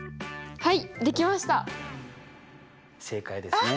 はい！